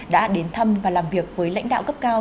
đã đến thăm và làm việc với lãnh đạo cấp cao